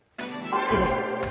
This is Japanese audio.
次です。